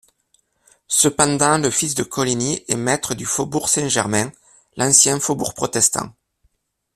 Cependant le fils de Coligny est maître du faubourg Saint-Germain, l'ancien faubourg protestant.